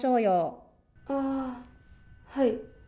あー、はい。